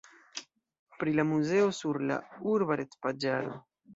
Pri la muzeo sur la urba retpaĝaro.